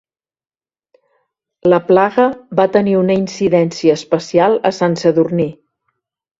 La plaga va tenir una incidència especial a Sant Sadurní.